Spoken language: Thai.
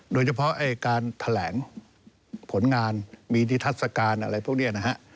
โดยเฉพาะการแถลงผลงานมีนิทัศกาลอะไรพวกนี้นะฮะ